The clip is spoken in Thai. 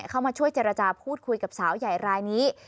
เข้ามาช่วยเจรจาพูดคุยกับสาวใหญ่รายนี้